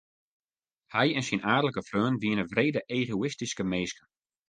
Hy en syn aadlike freonen wiene wrede egoïstyske minsken.